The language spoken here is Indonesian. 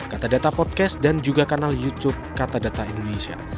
katadata podcast dan juga kanal youtube katadata indonesia